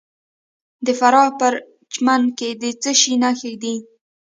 د فراه په پرچمن کې د څه شي نښې دي؟